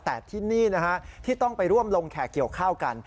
แต่ที่นี่นะฮะที่ต้องไปร่วมลงแขกเกี่ยวข้าวกัน